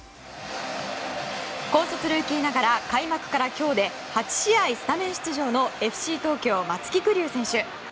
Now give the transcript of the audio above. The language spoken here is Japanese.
高卒ルーキーながら開幕から今日で８試合スタメン出場のＦＣ東京、松木玖生選手。